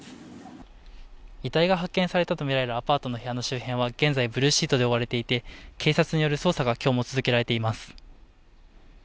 遺体が発見されたと見られるアパートの部屋の周辺は、現在、ブルーシートで覆われていて、警察による捜査がきょうも続けられています。